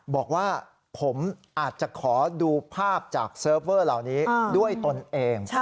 บอกว่าผมอาจจะขอดูภาพจากเซิร์ฟเวอร์เหล่านี้ด้วยตนเอง